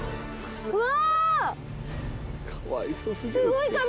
うわ！